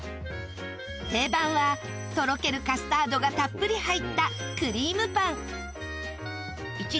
定番はとろけるカスタードがたっぷり入った